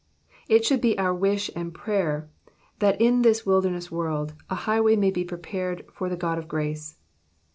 '' It should be our wish and praver, that in this wilderness world, a highway may be prepared for the God of grace.